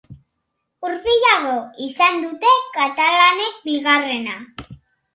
Hurbilago izan dute katalanek bigarrena.